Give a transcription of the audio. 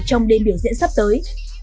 trong đêm biểu diễn sắp tới